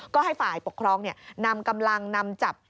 ก็ให้ฝ่ายปกครองนำกำลังนำจับ